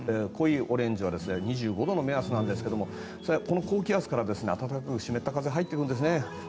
濃いオレンジは２５度の目安なんですがこの高気圧から暖かく湿った風が入ってくるんですね。